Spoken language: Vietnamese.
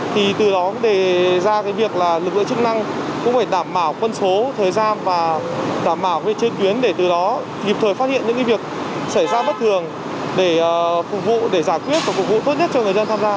thì từ đó cũng đề ra cái việc là lực lượng chức năng cũng phải đảm bảo phân số thời gian và đảm bảo về chương truyến để từ đó dịp thời phát hiện những cái việc xảy ra bất thường để phục vụ để giải quyết và phục vụ tốt nhất cho người dân tham gia